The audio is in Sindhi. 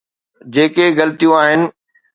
جيڪي غلطيون آهن.